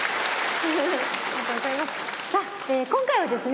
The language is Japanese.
さあ今回はですね